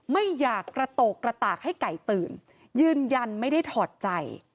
ไม่อยากกระโตกกระตากให้ไก่ตื่นยืนยันไม่ได้ถอดใจ